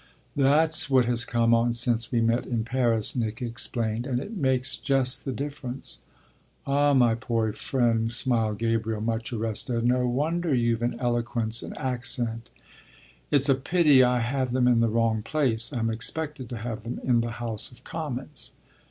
"That's what has come on since we met in Paris," Nick explained, "and it makes just the difference." "Ah my poor friend," smiled Gabriel, much arrested, "no wonder you've an eloquence, an accent!" "It's a pity I have them in the wrong place. I'm expected to have them in the House of Commons."